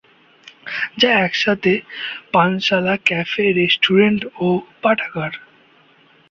যা একইসাথে পানশালা, ক্যাফে, রেস্টুরেন্ট ও পাঠাগার।